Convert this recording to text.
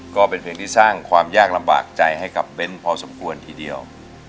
ก็เป็นเพลงที่สร้างความยากลำบากใจให้กับเบ้นพอสมควรทีเดียว